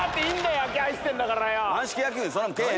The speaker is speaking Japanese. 野球愛してんだからよ！